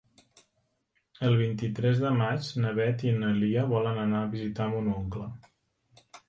El vint-i-tres de maig na Beth i na Lia volen anar a visitar mon oncle.